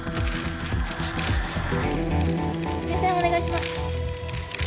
目線お願いします。